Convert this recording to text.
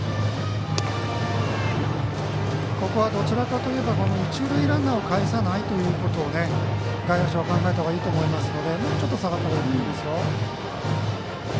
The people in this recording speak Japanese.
ここはどちらかといえば一塁ランナーをかえせないことを外野手は考えたほうがいいと思いますのでもうちょっと下がった方がいいと思いますよ。